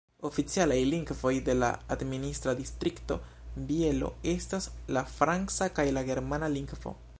Oficialaj lingvoj de la administra distrikto Bielo estas la franca kaj la germana lingvo.